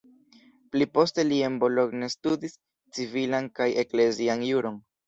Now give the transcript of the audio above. Pli poste li en Bologna studis civilan kaj eklezian juron.